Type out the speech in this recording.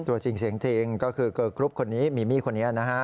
ตัวจริงเสียงจริงก็คือเกอร์กรุ๊ปคนนี้มีมี่คนนี้นะฮะ